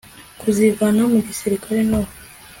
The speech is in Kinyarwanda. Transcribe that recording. kuzivana mu gisirikare no